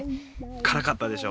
からかったでしょ？